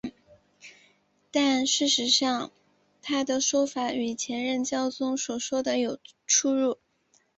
但事实上他的说法与前任教宗所说的有出入。